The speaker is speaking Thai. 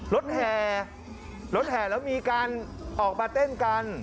รถแห่รถแห่แล้วมีการออกมาเต้นกัน